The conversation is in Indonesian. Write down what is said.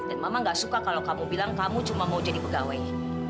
dan mama gak suka kalau kamu bilang kamu cuma mau jadi pegawai